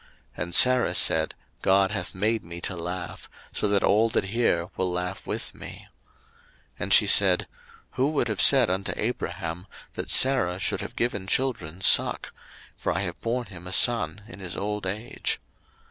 01:021:006 And Sarah said, God hath made me to laugh, so that all that hear will laugh with me. 01:021:007 And she said, Who would have said unto Abraham, that Sarah should have given children suck? for I have born him a son in his old age.